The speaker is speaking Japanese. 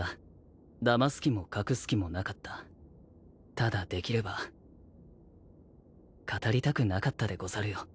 ただできれば語りたくなかったでござるよ。